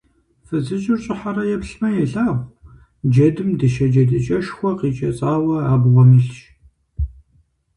Фызыжьыр щӀыхьэрэ еплъмэ, елъагъу: джэдым дыщэ джэдыкӀэшхуэ къикӀэцӀауэ абгъуэм илъщ.